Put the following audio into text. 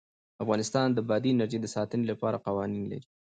افغانستان د بادي انرژي د ساتنې لپاره قوانین لري.